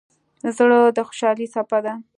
زړه د خوشحالۍ څپه ده.